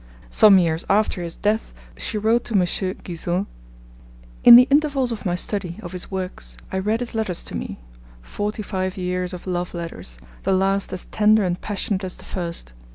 Some years after his death, she wrote to M. Guizot: In the intervals of my study of his works I read his letters to me forty five years of love letters, the last as tender and passionate as the first.